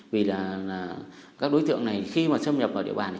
vì là các đối tượng này khi mà xâm nhập vào địa bàn